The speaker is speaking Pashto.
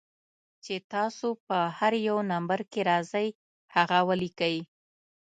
چې تاسو پۀ هر يو نمبر کښې راځئ هغه وليکئ